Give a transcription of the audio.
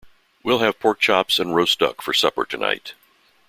We’ll have pork-chops and roast duck for supper to-night.